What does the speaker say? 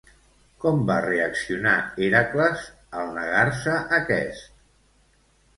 Com va reaccionar Hèracles al negar-se aquest?